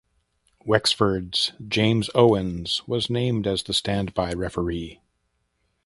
Wexford’s James Owens was named as the standby referee.